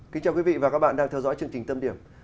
kính chào quý vị và các bạn đang theo dõi chương trình tâm điểm